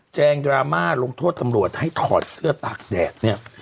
งดราม่าลงโทษตำรวจให้ถอดเสื้อตากแดดเนี่ย